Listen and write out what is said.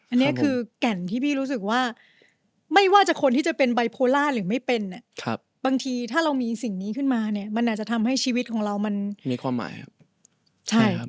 อันนี้คือแก่นที่พี่รู้สึกว่าไม่ว่าจะคนที่จะเป็นไบโพล่าหรือไม่เป็นเนี่ยบางทีถ้าเรามีสิ่งนี้ขึ้นมาเนี่ยมันอาจจะทำให้ชีวิตของเรามันมีความหมายครับใช่ครับ